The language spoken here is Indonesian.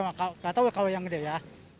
gak tau kalau yang gede ya